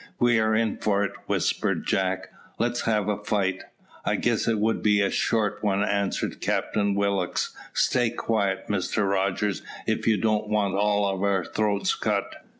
"We are in for it," whispered Jack. "Let's have a fight." "I guess it would be a short one," answered Captain Willock; "stay quiet, Mr Rogers, if you don't want all our throats cut."